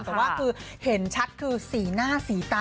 แต่ว่าคือเห็นชัดคือสีหน้าสีตา